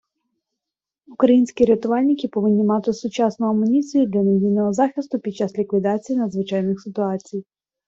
Українські рятувальники повинні мати сучасну амуніцію для надійного захисту під час ліквідації надзвичайних ситуацій